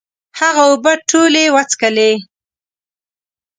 هغه اوبه ټولي وڅکلي